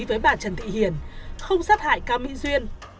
với bà trần thị hiền không sát hại cao mỹ duyên